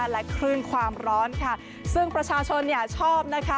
และคลื่นความร้อนค่ะซึ่งประชาชนเนี่ยชอบนะคะ